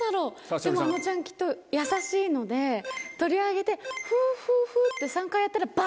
でもあのちゃんきっと優しいので取り上げて。って３回やったら。